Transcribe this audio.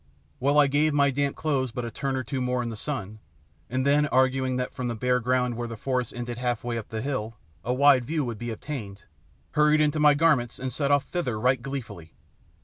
Well, I gave my damp clothes but a turn or two more in the sun, and then, arguing that from the bare ground where the forest ended half way up the hill, a wide view would be obtained, hurried into my garments and set off thither right gleefully.